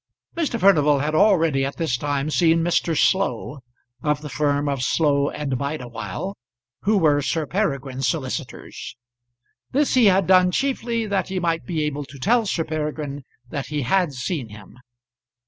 Mr. Furnival had already at this time seen Mr. Slow, of the firm of Slow and Bideawhile, who were Sir Peregrine's solicitors. This he had done chiefly that he might be able to tell Sir Peregrine that he had seen him.